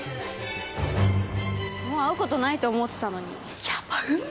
もう会うことないと思っていたのに。